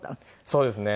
そうですね。